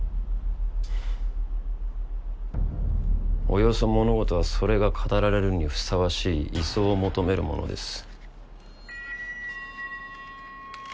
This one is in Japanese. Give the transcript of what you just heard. およそ物事はそれが語られるにふさわしい位相を求めるものです。